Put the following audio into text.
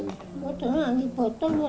ini kalau disusul maka tidak bisa menjaga